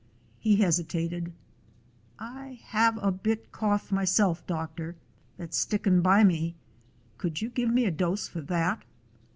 He hesi tated: "I have a bit cough myself, doctor, that 's stickin' by me. Could you give me a dose for that?"